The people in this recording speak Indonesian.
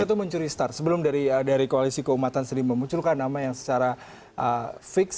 itu mencuri start sebelum dari koalisi keumatan sendiri memunculkan nama yang secara fix